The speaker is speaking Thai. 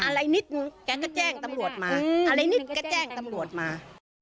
อะไรนิดนึงแกก็แจ้งตำรวจมาอะไรนิดก็แจ้งตำรวจมา